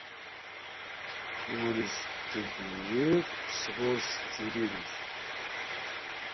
Ur s-d-tewwiḍ sɣur-s tririt.